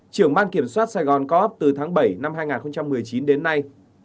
trưởng ban kiểm soát saigon co op từ tháng bảy năm hai nghìn một mươi chín đến nay